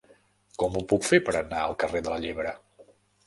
Com ho puc fer per anar al carrer de la Llebre?